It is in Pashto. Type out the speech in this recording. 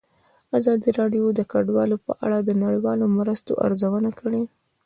ازادي راډیو د کډوال په اړه د نړیوالو مرستو ارزونه کړې.